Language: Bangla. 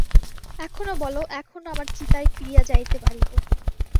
এখনো বলো, এখনো আমার চিতায় ফিরিয়া যাইতে পারিব।